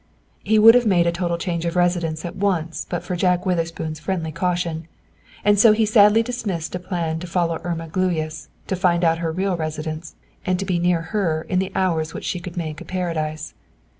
He would have made a total change of residence at once but for Jack Witherspoon's friendly caution. And so he sadly dismissed a plan to follow Irma Gluyas, to find out her real residence, and to be near her in the hours which she could make a paradise.